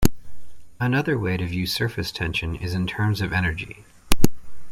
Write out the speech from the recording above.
Another way to view surface tension is in terms of energy.